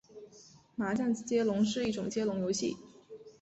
麻将接龙是一种接龙游戏。